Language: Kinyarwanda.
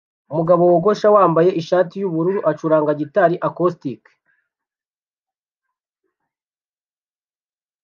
Umugabo wogosha wambaye ishati yubururu acuranga gitari acoustic